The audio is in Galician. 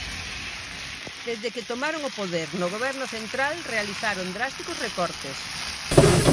Desde que tomaron o poder no goberno central realizaron drásticos recortes.